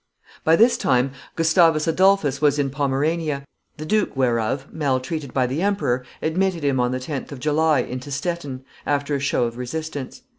By this time Gustavus Adolphus was in Pomerania, the duke whereof, maltreated by the emperor, admitted him on the 10th of July into Stettin, after a show of resistance.